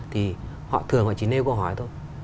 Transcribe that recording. thì họ thường chỉ nêu câu hỏi thôi